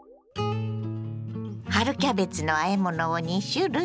春キャベツのあえ物を２種類。